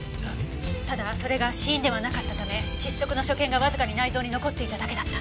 ただそれが死因ではなかったため窒息の所見がわずかに内臓に残っていただけだったんです。